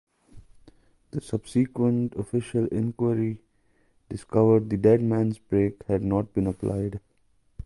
The subsequent official inquiry discovered the deadman's brake had not been applied.